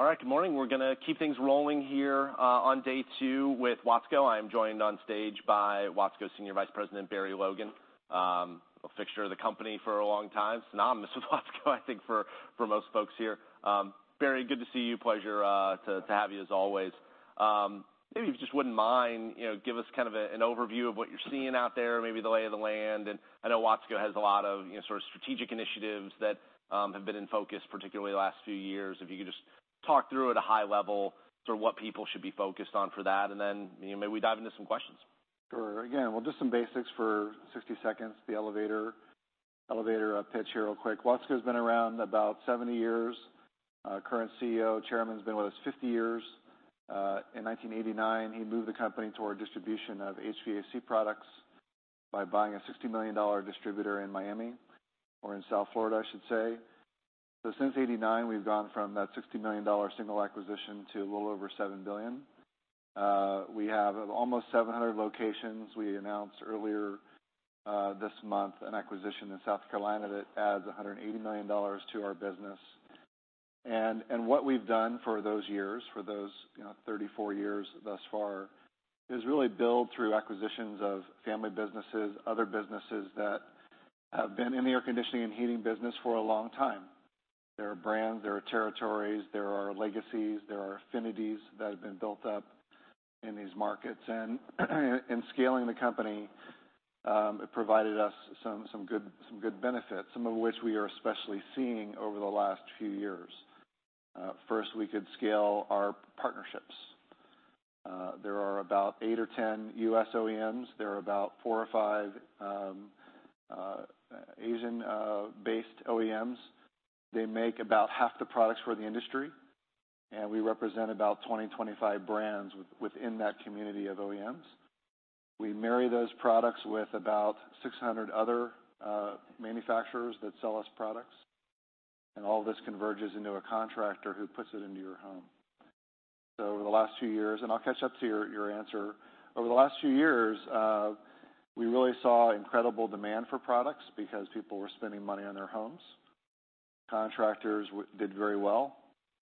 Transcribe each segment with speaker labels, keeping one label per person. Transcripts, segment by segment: Speaker 1: All right, good morning. We're gonna keep things rolling here on day two with Watsco. I am joined on stage by Watsco Senior Vice President, Barry Logan. A fixture of the company for a long time, synonymous with Watsco, I think, for most folks here. Barry, good to see you. Pleasure to have you, as always. Maybe if you just wouldn't mind, you know, give us kind of an overview of what you're seeing out there, maybe the lay of the land. I know Watsco has a lot of, you know, sort of strategic initiatives that have been in focus, particularly the last few years. If you could just talk through at a high level, sort of what people should be focused on for that, and then, you know, maybe we dive into some questions.
Speaker 2: Sure. Again, we'll do some basics for 60 seconds, the elevator pitch here real quick. Watsco's been around about 70 years. Our current CEO, Chairman's been with us 50 years. In 1989, he moved the company toward distribution of HVAC products by buying a $60 million distributor in Miami, or in South Florida, I should say. So since 1989, we've gone from that $60 million single acquisition to a little over $7 billion. We have almost 700 locations. We announced earlier this month, an acquisition in South Carolina that adds $180 million to our business. And what we've done for those years, you know, 34 years thus far, is really build through acquisitions of family businesses, other businesses that have been in the air conditioning and heating business for a long time. There are brands, there are territories, there are legacies, there are affinities that have been built up in these markets. In scaling the company, it provided us some good benefits, some of which we are especially seeing over the last few years. First, we could scale our partnerships. There are about 8 or 10 U.S. OEMs. There are about 4 or 5 Asian-based OEMs. They make about half the products for the industry, and we represent about 20-25 brands within that community of OEMs. We marry those products with about 600 other manufacturers that sell us products, and all this converges into a contractor who puts it into your home. Over the last few years, and I'll catch up to your answer. Over the last few years, we really saw incredible demand for products because people were spending money on their homes. Contractors did very well.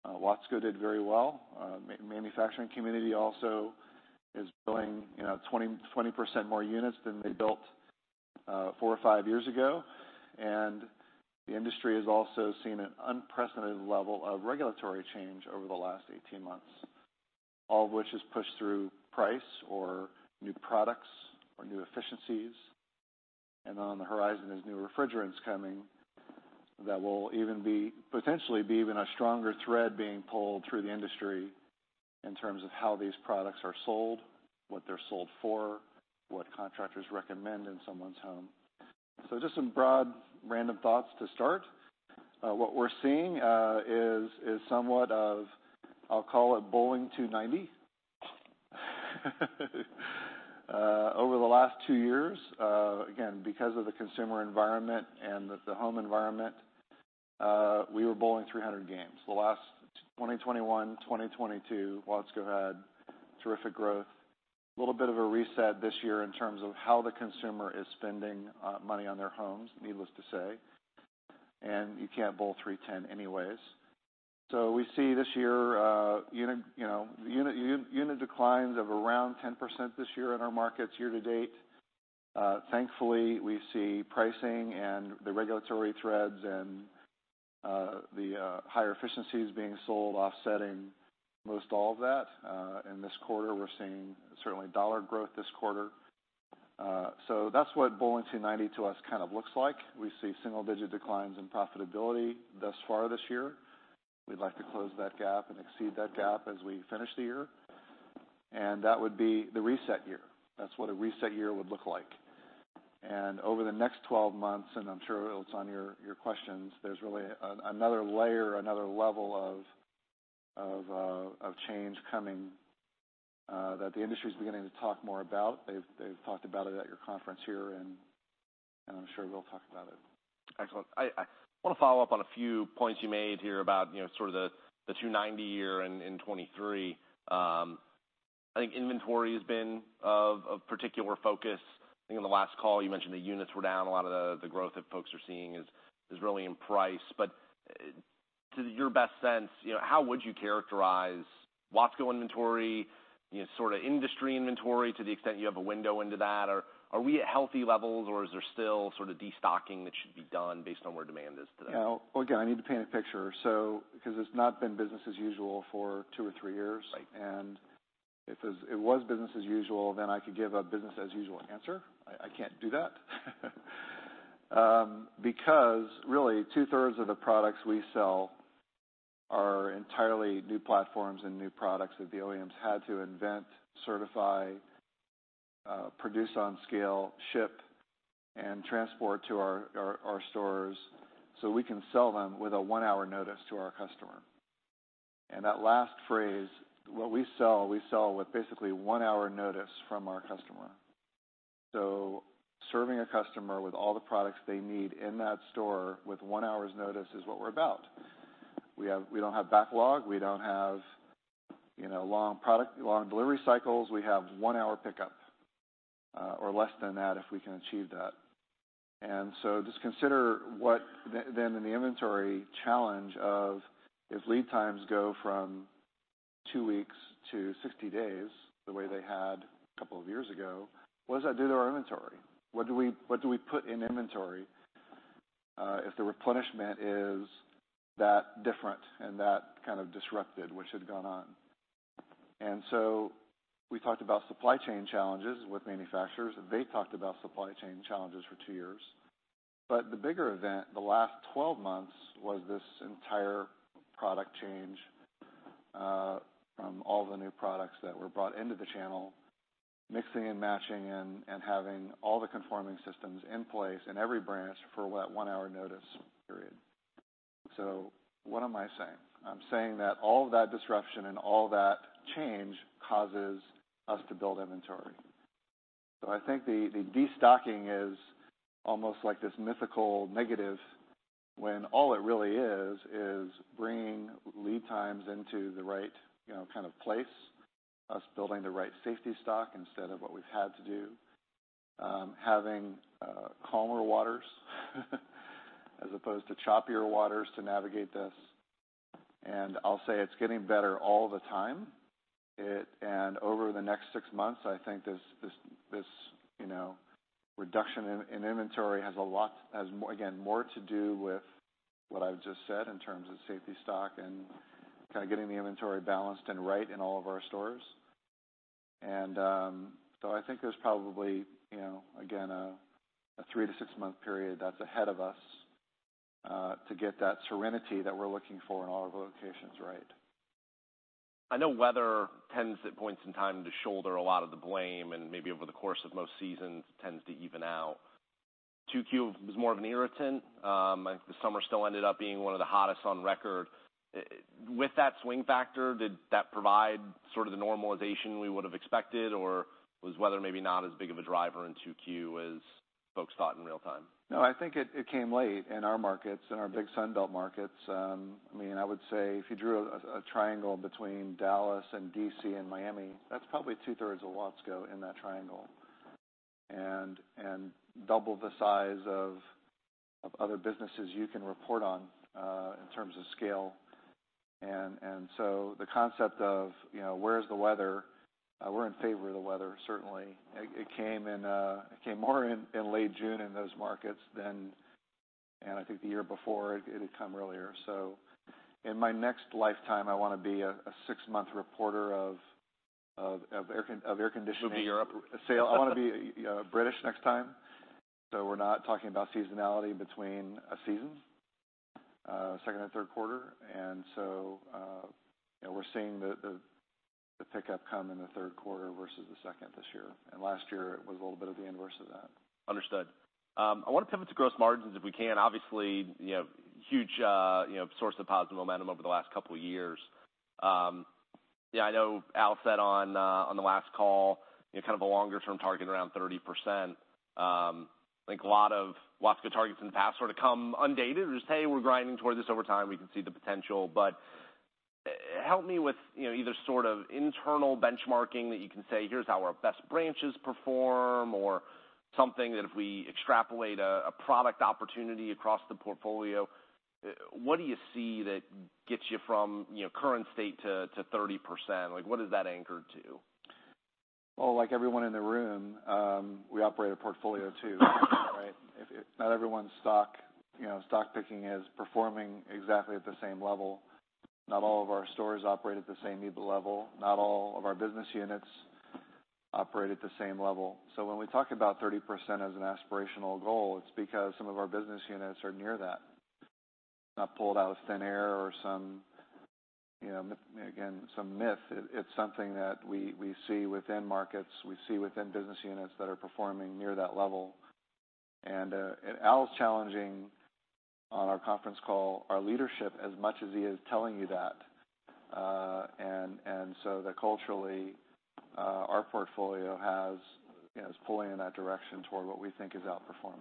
Speaker 2: Watsco did very well. Manufacturing community also is building, you know, 20%, 20% more units than they built four or five years ago. The industry has also seen an unprecedented level of regulatory change over the last 18 months, all of which is pushed through price or new products or new efficiencies. On the horizon, there's new refrigerants coming that will even potentially be even a stronger thread being pulled through the industry in terms of how these products are sold, what they're sold for, what contractors recommend in someone's home. So just some broad, random thoughts to start. What we're seeing is somewhat of, I'll call it Bowling 290. Over the last two years, again, because of the consumer environment and the home environment, we were bowling 300 games. The last 2021, 2022, Watsco had terrific growth. A little bit of a reset this year in terms of how the consumer is spending money on their homes, needless to say, and you can't bowl 310 anyways. So we see this year, unit, you know, unit declines of around 10% this year in our markets, year to date. Thankfully, we see pricing and the regulatory threads and the higher efficiencies being sold offsetting most all of that. In this quarter, we're seeing certainly dollar growth this quarter. So that's what Bowling 290 to us kind of looks like. We see single-digit declines in profitability thus far this year. We'd like to close that gap and exceed that gap as we finish the year, and that would be the reset year. That's what a reset year would look like. And over the next 12 months, and I'm sure it's on your questions, there's really another layer, another level of change coming that the industry is beginning to talk more about. They've talked about it at your conference here, and I'm sure we'll talk about it.
Speaker 1: Excellent. I wanna follow up on a few points you made here about, you know, sort of the 2Q in 2023. I think inventory has been of particular focus. I think on the last call, you mentioned the units were down. A lot of the growth that folks are seeing is really in price. But to your best sense, you know, how would you characterize Watsco inventory, you know, sort of industry inventory, to the extent you have a window into that? Or are we at healthy levels, or is there still sort of destocking that should be done based on where demand is today?
Speaker 2: Yeah. Well, again, I need to paint a picture, so because it's not been business as usual for two or three years-
Speaker 1: Right
Speaker 2: and if it was business as usual, then I could give a business as usual answer. I can't do that. Because really, two-thirds of the products we sell are entirely new platforms and new products that the OEMs had to invent, certify, produce on scale, ship, and transport to our stores, so we can sell them with a one-hour notice to our customer. And that last phrase, what we sell, we sell with basically one-hour notice from our customer. So serving a customer with all the products they need in that store with one hour's notice is what we're about. We don't have backlog, we don't have you know, long product, long delivery cycles, we have one-hour pickup, or less than that, if we can achieve that. And so just consider what then in the inventory challenge of, if lead times go from 2 weeks to 60 days, the way they had a couple of years ago, what does that do to our inventory? What do we, what do we put in inventory, if the replenishment is that different and that kind of disrupted, which had gone on? And so we talked about supply chain challenges with manufacturers, and they talked about supply chain challenges for 2 years. But the bigger event, the last 12 months, was this entire product change, from all the new products that were brought into the channel, mixing and matching and, and having all the conforming systems in place in every branch for what, 1-hour notice period. So what am I saying? I'm saying that all of that disruption and all that change causes us to build inventory. So I think the destocking is almost like this mythical negative, when all it really is, is bringing lead times into the right, you know, kind of place. Us building the right safety stock instead of what we've had to do. Having calmer waters, as opposed to choppier waters, to navigate this. And I'll say it's getting better all the time. And over the next 6 months, I think this, you know, reduction in inventory has a lot, has more, again, more to do with what I've just said in terms of safety stock and kind of getting the inventory balanced and right in all of our stores. And so I think there's probably, you know, again, a 3-to-6-month period that's ahead of us to get that serenity that we're looking for in all of our locations right.
Speaker 1: I know weather tends, at points in time, to shoulder a lot of the blame, and maybe over the course of most seasons, tends to even out. 2Q was more of an irritant. The summer still ended up being one of the hottest on record. With that swing factor, did that provide sort of the normalization we would have expected, or was weather maybe not as big of a driver in 2Q as folks thought in real time?
Speaker 2: No, I think it came late in our markets, in our big Sun Belt markets. I mean, I would say if you drew a triangle between Dallas and D.C. and Miami, that's probably two-thirds of Watsco in that triangle, and double the size of other businesses you can report on, in terms of scale. So the concept of, you know, where's the weather? We're in favor of the weather, certainly. It came more in late June in those markets than and I think the year before, it had come earlier. So in my next lifetime, I wanna be a six-month reporter of air conditioning-
Speaker 1: You'll be Europe.
Speaker 2: -sale. I wanna be British next time, so we're not talking about seasonality between seasons, second and third quarter. And so, you know, we're seeing the pickup come in the third quarter versus the second this year. And last year, it was a little bit of the inverse of that.
Speaker 1: Understood. I want to pivot to gross margins if we can. Obviously, you know, huge, you know, source of positive momentum over the last couple of years. Yeah, I know Al said on the last call, you know, kind of a longer term target around 30%. I think a lot of Watsco targets in the past sort of come undated, or just, "Hey, we're grinding towards this over time. We can see the potential." But help me with, you know, either sort of internal benchmarking that you can say, "Here's how our best branches perform," or something that if we extrapolate a product opportunity across the portfolio, what do you see that gets you from, you know, current state to 30%? Like, what is that anchored to?
Speaker 2: Well, like everyone in the room, we operate a portfolio, too, right? Not everyone's stock, you know, stock picking is performing exactly at the same level. Not all of our stores operate at the same EBIT level. Not all of our business units operate at the same level. So when we talk about 30% as an aspirational goal, it's because some of our business units are near that. Not pulled out of thin air or some, you know, again, some myth. It's something that we see within markets, we see within business units that are performing near that level. And Al's challenging, on our conference call, our leadership, as much as he is telling you that. And so that culturally, our portfolio, you know, is pulling in that direction toward what we think is outperformance.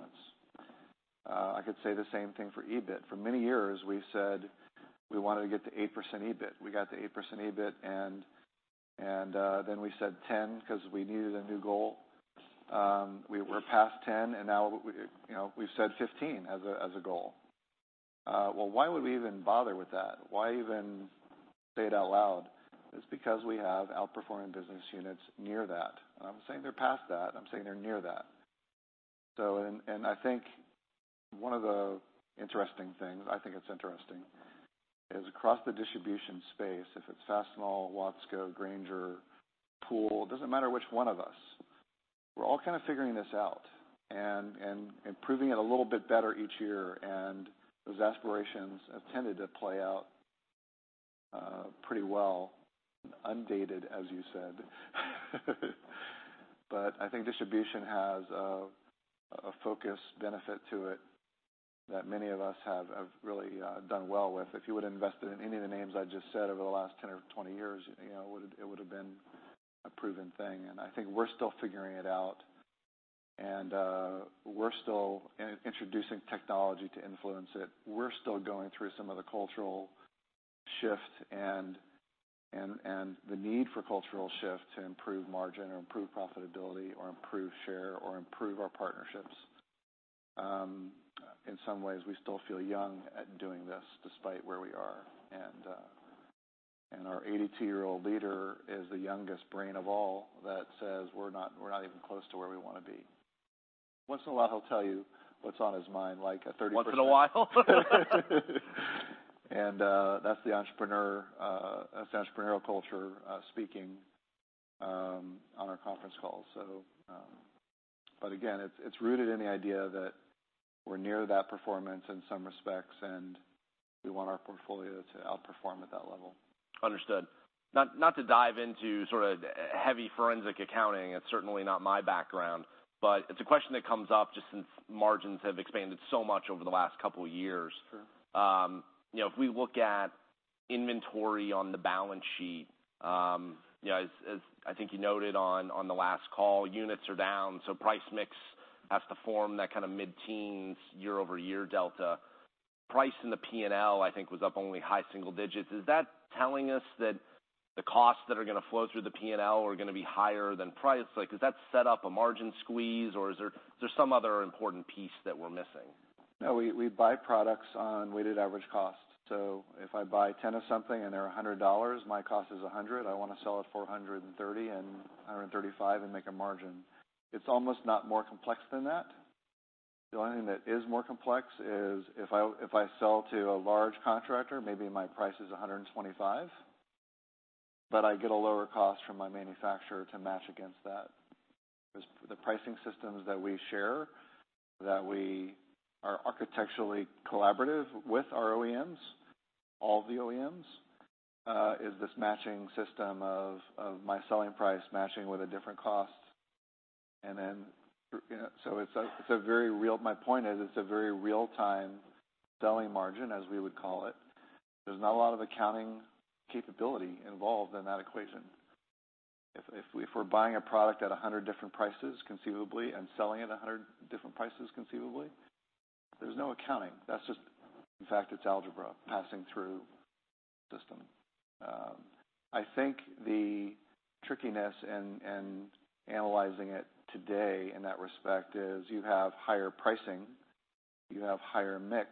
Speaker 2: I could say the same thing for EBIT. For many years, we said we wanted to get to 8% EBIT. We got to 8% EBIT, and, and, then we said 10, because we needed a new goal. We were past 10, and now, we, you know, we've said 15 as a, as a goal. Well, why would we even bother with that? Why even say it out loud? It's because we have outperforming business units near that. I'm not saying they're past that, I'm saying they're near that. I think one of the interesting things, I think it's interesting, is across the distribution space, if it's Fastenal, Watsco, Grainger, Pool, it doesn't matter which one of us, we're all kind of figuring this out and proving it a little bit better each year, and those aspirations have tended to play out pretty well, updated, as you said. But I think distribution has a focus benefit to it that many of us have really done well with. If you would've invested in any of the names I just said over the last 10 or 20 years, you know, it would've been a proven thing, and I think we're still figuring it out and we're still introducing technology to influence it. We're still going through some of the cultural shift and the need for cultural shift to improve margin or improve profitability or improve share or improve our partnerships. In some ways, we still feel young at doing this, despite where we are, and our 82-year-old leader is the youngest brain of all that says, "We're not even close to where we wanna be." Once in a while, he'll tell you what's on his mind, like a 30%-
Speaker 1: Once in a while?
Speaker 2: And that's the entrepreneur, that's entrepreneurial culture speaking on our conference call. So but again, it's, it's rooted in the idea that we're near that performance in some respects, and we want our portfolio to outperform at that level.
Speaker 1: Understood. Not to dive into sort of heavy forensic accounting, it's certainly not my background, but it's a question that comes up just since margins have expanded so much over the last couple years.
Speaker 2: Sure.
Speaker 1: You know, if we look at inventory on the balance sheet, you know, as I think you noted on the last call, units are down, so price mix has to form that kind of mid-teens year-over-year delta. Price in the P&L, I think, was up only high single digits. Is that telling us that the costs that are gonna flow through the P&L are gonna be higher than price? Like, does that set up a margin squeeze, or is there some other important piece that we're missing?
Speaker 2: No, we buy products on weighted average cost. So if I buy 10 of something and they're $100, my cost is $100. I wanna sell it for $130 and $135 and make a margin. It's almost not more complex than that. The only thing that is more complex is if I sell to a large contractor, maybe my price is $125, but I get a lower cost from my manufacturer to match against that. Because the pricing systems that we share, that we are architecturally collaborative with our OEMs, all the OEMs, is this matching system of my selling price matching with a different cost. And then, so it's a very real. My point is, it's a very real-time selling margin, as we would call it. There's not a lot of accounting capability involved in that equation. If we're buying a product at a hundred different prices, conceivably, and selling it at a hundred different prices, conceivably, there's no accounting. That's just. In fact, it's algebra passing through system. I think the trickiness in analyzing it today, in that respect, is you have higher pricing, you have higher mix,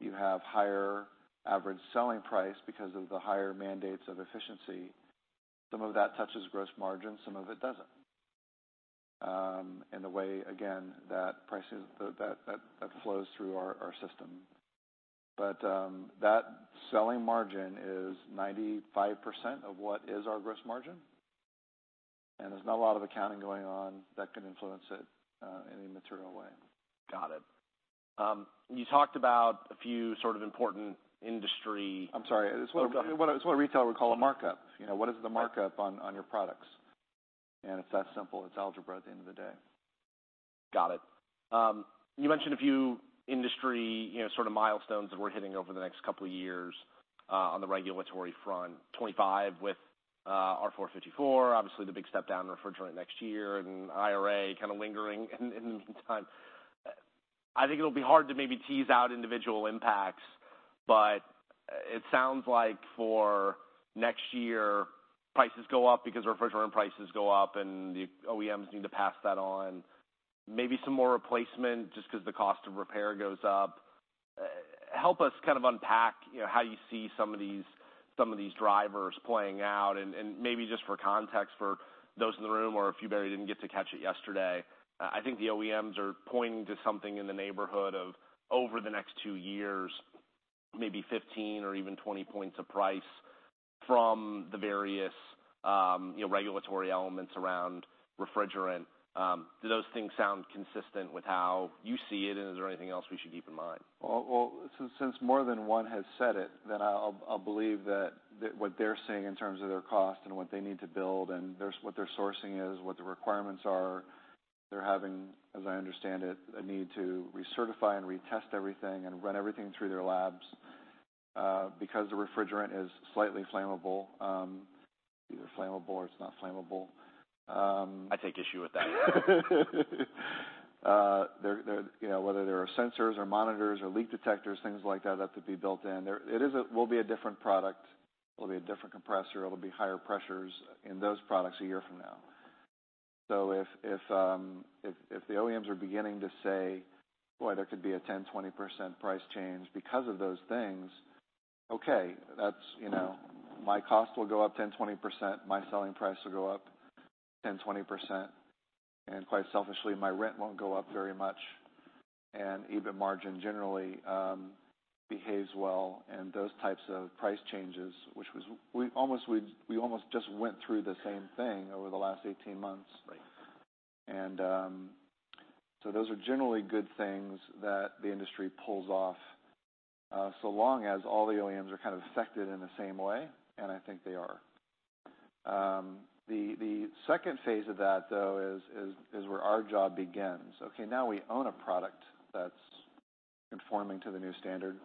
Speaker 2: you have higher average selling price because of the higher mandates of efficiency. Some of that touches gross margin, some of it doesn't. In the way, again, that prices that flows through our system. But, that selling margin is 95% of what is our gross margin, and there's not a lot of accounting going on that can influence it, in any material way.
Speaker 1: Got it. You talked about a few sort of important industry-
Speaker 2: I'm sorry.
Speaker 1: Go ahead.
Speaker 2: It's what retail would call a markup. You know, what is the markup on your products? It's that simple. It's algebra at the end of the day.
Speaker 1: Got it. You mentioned a few industry, you know, sort of milestones that we're hitting over the next couple of years, on the regulatory front. 2025 with R-454B, obviously, the big step down refrigerant next year, and IRA kind of lingering in the meantime. I think it'll be hard to maybe tease out individual impacts, but it sounds like for next year, prices go up because refrigerant prices go up and the OEMs need to pass that on. Maybe some more replacement, just 'cause the cost of repair goes up. Help us kind of unpack, you know, how you see some of these, some of these drivers playing out, and, and maybe just for context, for those in the room, or if you barely didn't get to catch it yesterday, I think the OEMs are pointing to something in the neighborhood of over the next two years, maybe 15 or even 20 points of price from the various, you know, regulatory elements around refrigerant. Do those things sound consistent with how you see it, and is there anything else we should keep in mind?
Speaker 2: Well, since more than one has said it, then I'll believe that what they're saying in terms of their cost and what they need to build and their sourcing, what the requirements are, they're having, as I understand it, a need to recertify and retest everything and run everything through their labs because the refrigerant is slightly flammable. Either flammable or it's not flammable.
Speaker 1: I take issue with that.
Speaker 2: There, you know, whether there are sensors or monitors or leak detectors, things like that, that have to be built in. It will be a different product. It'll be a different compressor. It'll be higher pressures in those products a year from now. So if the OEMs are beginning to say, "Boy, there could be a 10%-20% price change because of those things," okay, that's, you know, my cost will go up 10%-20%. My selling price will go up 10%-20%. And quite selfishly, my rent won't go up very much. And EBIT margin generally behaves well in those types of price changes, which we almost just went through the same thing over the last 18 months.
Speaker 1: Right.
Speaker 2: So those are generally good things that the industry pulls off, so long as all the OEMs are kind of affected in the same way, and I think they are. The second phase of that, though, is where our job begins. Okay, now we own a product that's conforming to the new standard,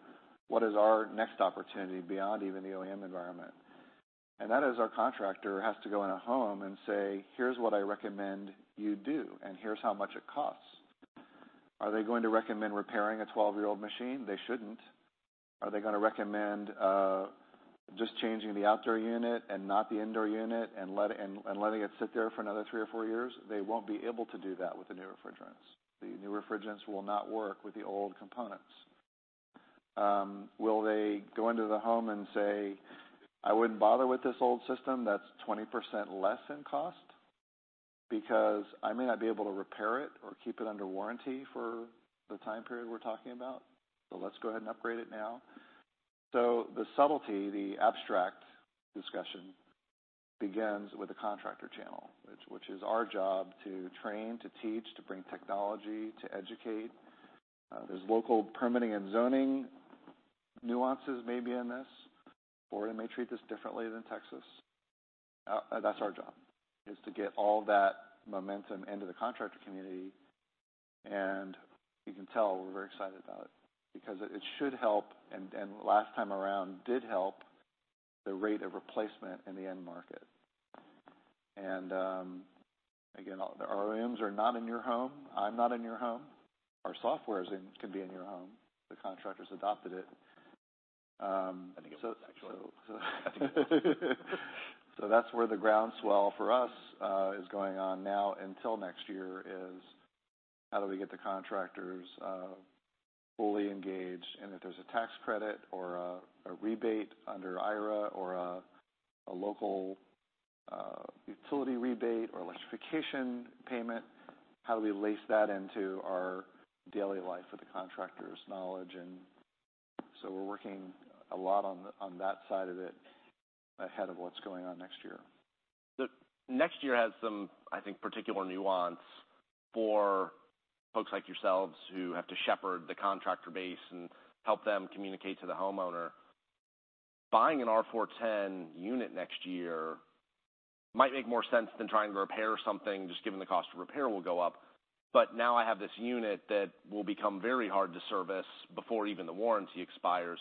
Speaker 2: what is our next opportunity beyond even the OEM environment? And that is, our contractor has to go in a home and say: "Here's what I recommend you do, and here's how much it costs." Are they going to recommend repairing a 12-year-old machine? They shouldn't. Are they gonna recommend just changing the outdoor unit and not the indoor unit, and letting it sit there for another 3 or 4 years? They won't be able to do that with the new refrigerants. The new refrigerants will not work with the old components. Will they go into the home and say: "I wouldn't bother with this old system that's 20% less in cost, because I may not be able to repair it or keep it under warranty for the time period we're talking about, so let's go ahead and upgrade it now." So the subtlety, the abstract discussion, begins with the contractor channel, which is our job to train, to teach, to bring technology, to educate. There's local permitting and zoning nuances maybe in this. Florida may treat this differently than Texas. That's our job, is to get all that momentum into the contractor community. And you can tell we're very excited about it because it should help, and last time around did help, the rate of replacement in the end market. Again, the OEMs are not in your home. I'm not in your home. Our software can be in your home, if the contractors adopted it.
Speaker 1: I think it was, actually.
Speaker 2: So that's where the groundswell for us is going on now until next year, is how do we get the contractors fully engaged? And if there's a tax credit or a rebate under IRA or a local utility rebate or electrification payment, how do we lace that into our daily life with the contractor's knowledge? And so we're working a lot on that side of it ahead of what's going on next year.
Speaker 1: The next year has some, I think, particular nuance for folks like yourselves, who have to shepherd the contractor base and help them communicate to the homeowner. Buying an R-410A unit next year might make more sense than trying to repair something, just given the cost of repair will go up. But now I have this unit that will become very hard to service before even the warranty expires.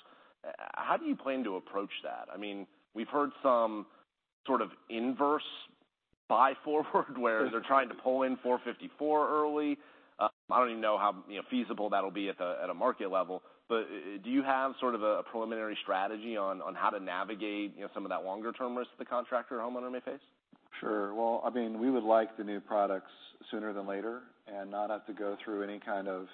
Speaker 1: How do you plan to approach that? I mean, we've heard some sort of inverse buy forward, where they're trying to pull in R-454B early. I don't even know how, you know, feasible that'll be at a market level, but do you have sort of a preliminary strategy on how to navigate, you know, some of that longer term risk the contractor or homeowner may face?
Speaker 2: Sure. Well, I mean, we would like the new products sooner than later and not have to go through any kind of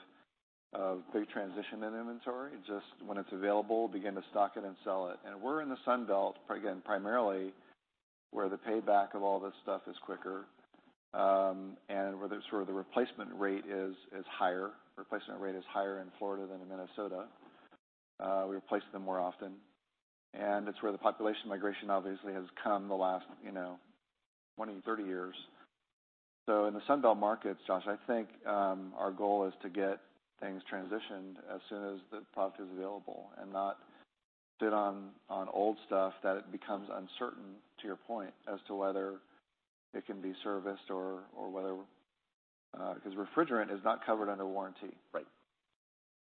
Speaker 2: big transition in inventory. Just when it's available, begin to stock it and sell it. And we're in the Sun Belt, again, primarily, where the payback of all this stuff is quicker, and where the sort of the replacement rate is higher. Replacement rate is higher in Florida than in Minnesota. We replace them more often, and it's where the population migration obviously has come the last, you know, 20, 30 years. So in the Sun Belt markets, Josh, I think, our goal is to get things transitioned as soon as the product is available and not sit on old stuff that it becomes uncertain, to your point, as to whether it can be serviced or whether... Because refrigerant is not covered under warranty.
Speaker 1: Right.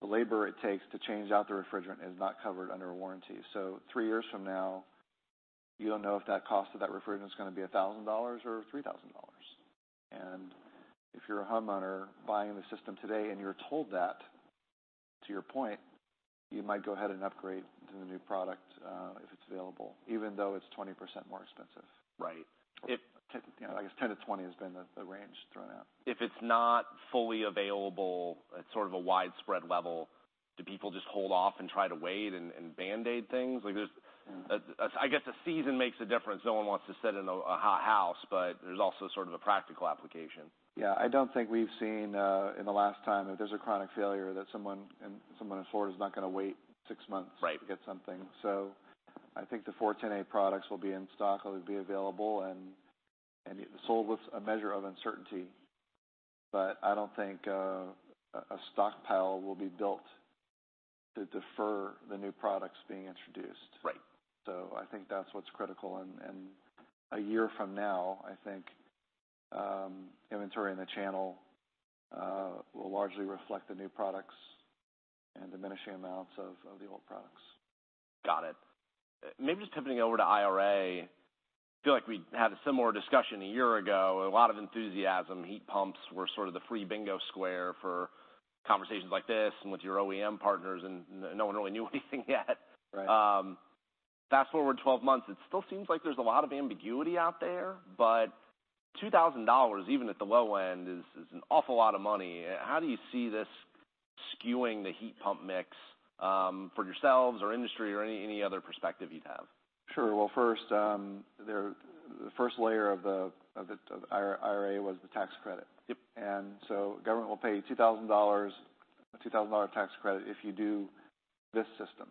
Speaker 2: The labor it takes to change out the refrigerant is not covered under a warranty. So three years from now, you don't know if that cost of that refrigerant is gonna be $1,000 or $3,000. And if you're a homeowner buying the system today and you're told that, to your point, you might go ahead and upgrade to the new product, if it's available, even though it's 20% more expensive.
Speaker 1: Right. If-
Speaker 2: You know, I guess 10%-20% has been the range thrown out.
Speaker 1: If it's not fully available at sort of a widespread level, do people just hold off and try to wait and Band-Aid things? Like there's. I guess the season makes a difference. No one wants to sit in a hot house, but there's also sort of a practical application.
Speaker 2: Yeah. I don't think we've seen, in the last time, if there's a chronic failure, that someone in Florida is not gonna wait six months-
Speaker 1: Right
Speaker 2: to get something. So I think the 410A products will be in stock, or will be available, and sold with a measure of uncertainty. But I don't think a stockpile will be built to defer the new products being introduced.
Speaker 1: Right.
Speaker 2: So I think that's what's critical. A year from now, I think, inventory in the channel will largely reflect the new products and diminishing amounts of the old products.
Speaker 1: Got it. Maybe just pivoting over to IRA. I feel like we had a similar discussion a year ago, a lot of enthusiasm. Heat pumps were sort of the free bingo square for conversations like this and with your OEM partners, and no one really knew anything yet.
Speaker 2: Right.
Speaker 1: Fast forward 12 months, it still seems like there's a lot of ambiguity out there, but $2,000, even at the low end, is an awful lot of money. How do you see this skewing the heat pump mix for yourselves or industry or any other perspective you'd have?
Speaker 2: Sure. Well, first, the first layer of the IRA was the tax credit.
Speaker 1: Yep.
Speaker 2: And so government will pay you $2,000, a $2,000 tax credit if you do this system,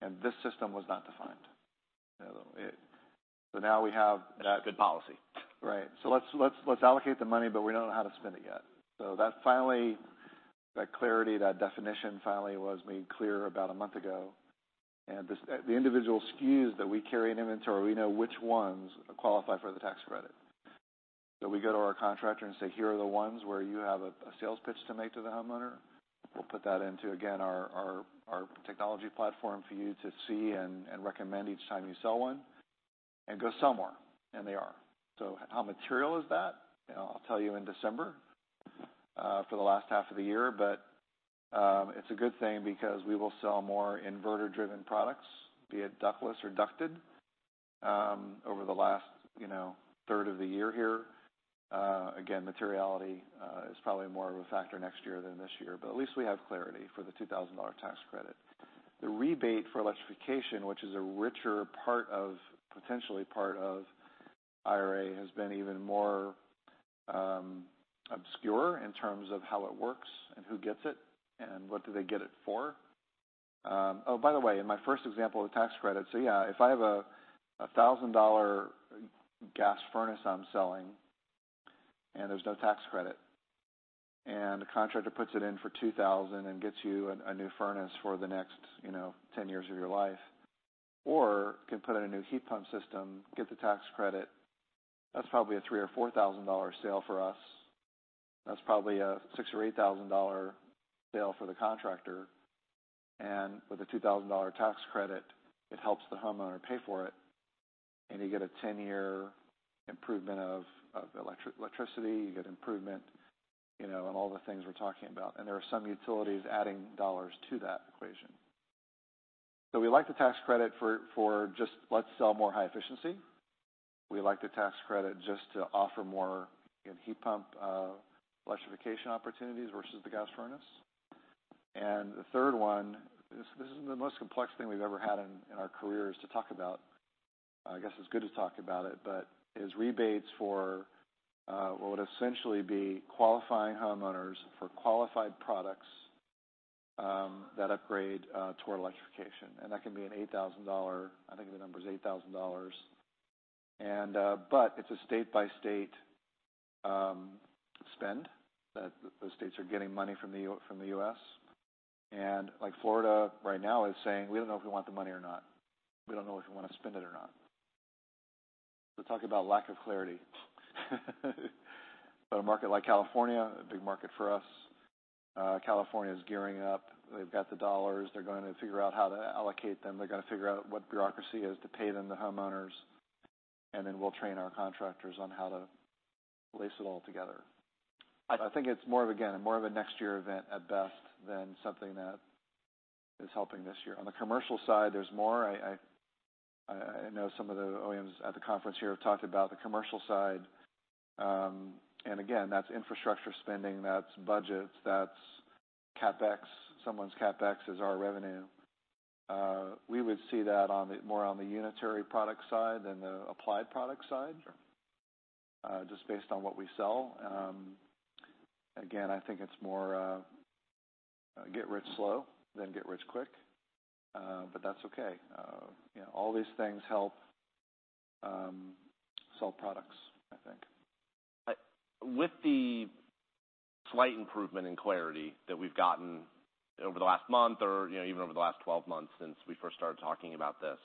Speaker 2: and this system was not defined. So now we have-
Speaker 1: Not good policy.
Speaker 2: Right. So let's, let's, let's allocate the money, but we don't know how to spend it yet. So that finally, that clarity, that definition finally was made clear about a month ago, and this, the individual SKUs that we carry in inventory, we know which ones qualify for the tax credit. So we go to our contractor and say: "Here are the ones where you have a, a sales pitch to make to the homeowner. We'll put that into, again, our, our, our technology platform for you to see and, and recommend each time you sell one," and go sell more, and they are. So how material is that? You know, I'll tell you in December, for the last half of the year. But, it's a good thing because we will sell more inverter-driven products, be it ductless or ducted, over the last, you know, third of the year here. Again, materiality is probably more of a factor next year than this year, but at least we have clarity for the $2,000 tax credit. The rebate for electrification, which is a richer part of, potentially part of IRA, has been even more obscure in terms of how it works and who gets it and what do they get it for. Oh, by the way, in my first example of the tax credit, so yeah, if I have a $1,000 gas furnace I'm selling and there's no tax credit, and the contractor puts it in for $2,000 and gets you a new furnace for the next, you know, 10 years of your life, or can put in a new heat pump system, get the tax credit, that's probably a $3,000-$4,000 sale for us. That's probably a $6,000-$8,000 sale for the contractor, and with a $2,000 tax credit, it helps the homeowner pay for it, and you get a 10-year improvement of electricity, you get improvement, you know, on all the things we're talking about. And there are some utilities adding dollars to that equation. So we like the tax credit for just, let's sell more high efficiency. We like the tax credit just to offer more in heat pump electrification opportunities versus the gas furnace. And the third one, this is the most complex thing we've ever had in our careers to talk about. I guess it's good to talk about it, but is rebates for what would essentially be qualifying homeowners for qualified products that upgrade toward electrification, and that can be an $8,000. I think the number is $8,000. And but it's a state-by-state spend, that the states are getting money from the U.S. And like Florida right now is saying: "We don't know if we want the money or not. We don't know if we want to spend it or not." So talk about lack of clarity. But a market like California, a big market for us, California is gearing up. They've got the dollars, they're going to figure out how to allocate them. They're going to figure out what bureaucracy is to pay the homeowners, and then we'll train our contractors on how to lace it all together. I think it's more of, again, more of a next year event at best than something that is helping this year. On the commercial side, there's more. I know some of the OEMs at the conference here have talked about the commercial side. And again, that's infrastructure spending, that's budgets, that's CapEx. Someone's CapEx is our revenue. We would see that more on the unitary product side than the applied product side-
Speaker 1: Sure
Speaker 2: just based on what we sell. Again, I think it's more get rich slow than get rich quick. But that's okay. You know, all these things help sell products, I think.
Speaker 1: But with the slight improvement in clarity that we've gotten over the last month or, you know, even over the last 12 months since we first started talking about this,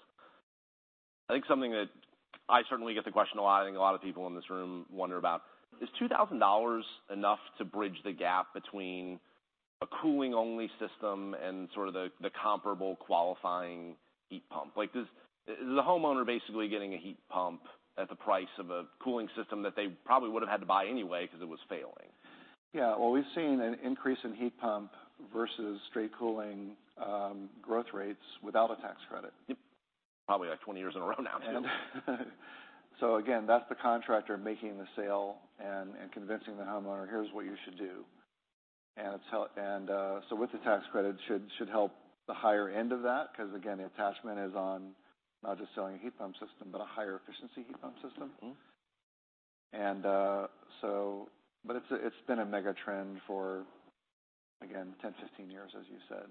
Speaker 1: I think something that I certainly get the question a lot, and a lot of people in this room wonder about, is $2,000 enough to bridge the gap between a cooling-only system and sort of the comparable qualifying heat pump? Like, does, is the homeowner basically getting a heat pump at the price of a cooling system that they probably would have had to buy anyway because it was failing?
Speaker 2: Yeah. Well, we've seen an increase in heat pump versus straight cooling, growth rates without a tax credit.
Speaker 1: Yep, probably like 20 years in a row now.
Speaker 2: So again, that's the contractor making the sale and convincing the homeowner, "Here's what you should do." And so with the tax credit should help the higher end of that, because again, the attachment is on not just selling a heat pump system, but a higher efficiency heat pump system.
Speaker 1: Mm-hmm.
Speaker 2: But it's been a mega trend for, again, 10, 15 years, as you said.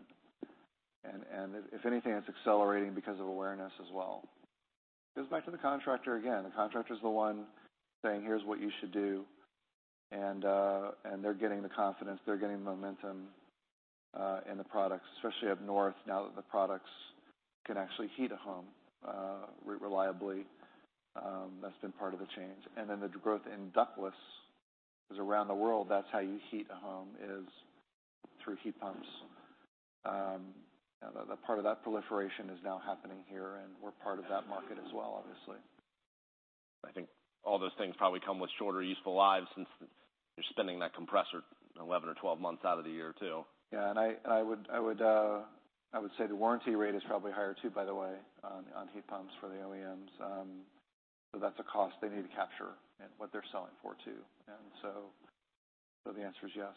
Speaker 2: And if anything, it's accelerating because of awareness as well. It goes back to the contractor again. The contractor's the one saying: "Here's what you should do." And they're getting the confidence, they're getting momentum in the products, especially up north, now that the products can actually heat a home reliably. That's been part of the change. And then the growth in ductless, 'cause around the world, that's how you heat a home, is through heat pumps. The part of that proliferation is now happening here, and we're part of that market as well, obviously.
Speaker 1: I think all those things probably come with shorter useful lives since you're spending that compressor 11 or 12 months out of the year, too.
Speaker 2: Yeah. And I would say the warranty rate is probably higher too, by the way, on heat pumps for the OEMs. So that's a cost they need to capture in what they're selling for, too. And so the answer is yes.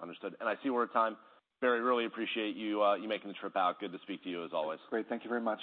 Speaker 1: Understood. I see we're at time. Barry, really appreciate you making the trip out. Good to speak to you as always.
Speaker 2: Great. Thank you very much.